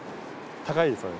高いですよね。